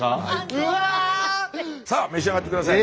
うわ！さあ召し上がって下さい。